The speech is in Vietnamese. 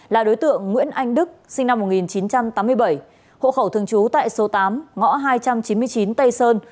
là đối tượng nguyễn anh đức sinh năm một nghìn chín trăm tám mươi bảy hộ khẩu thường trú tại số tám ngõ hai trăm chín mươi chín tây sơn